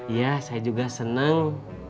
iya saya juga senang